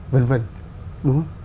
vân vân đúng không